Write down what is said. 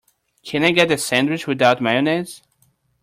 Can I get the sandwich without mayonnaise?